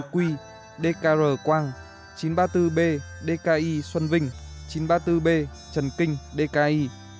chín trăm ba mươi bốn qi dkr quang chín trăm ba mươi bốn b dki xuân vinh chín trăm ba mươi bốn b trần kinh dki